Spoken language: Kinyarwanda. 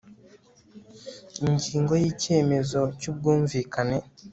Ingingo ya Icyemezo cy ubwumvikane